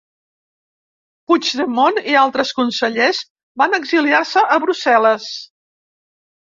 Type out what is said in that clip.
Puigdemont i altres consellers van exiliar-se a Brussel·les.